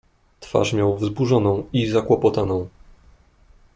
"Twarz miał wzburzoną i zakłopotaną."